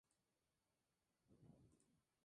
Se adjudica el trofeo la tripulación ganadora.